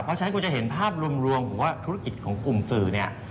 เพราะฉะนั้นคุณจะเห็นภาพรวมของว่าธุรกิจของกลุ่มสื่อเนี่ย